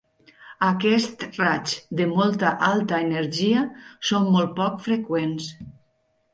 Aquests raigs de molta alta energia són molt poc freqüents.